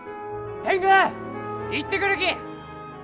天狗行ってくるき！